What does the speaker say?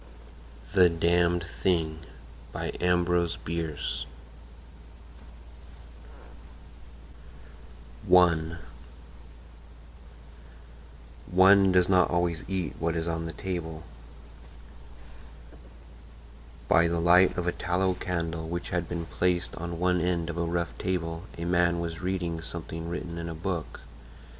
THE DAMNED THING I ONE DOES NOT ALWAYS EAT WHAT IS ON THE TABLE BY the light of a tallow candle which had been placed on one end of a rough table a man was reading something written in a book.